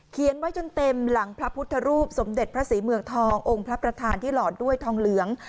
ไว้จนเต็มหลังพระพุทธรูปสมเด็จพระศรีเมืองทององค์พระประธานที่หลอดด้วยทองเหลือง